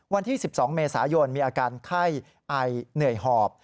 วันที่๑๒เมษายนมีอาการไข้ไอเหนื่อยหอบ